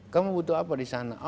kamu butuh apa di sana